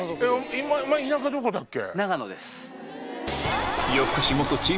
お前田舎どこだっけ？